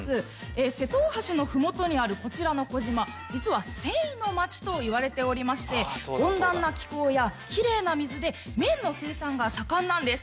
瀬戸大橋の麓にあるこちらの児島実は繊維のまちといわれておりまして温暖な気候やきれいな水で綿の生産が盛んなんです